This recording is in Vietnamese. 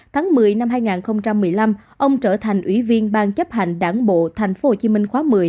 tháng một mươi năm hai nghìn một mươi năm ông trở thành ủy viên ban chấp hành đảng bộ thành phố hồ chí minh khóa một mươi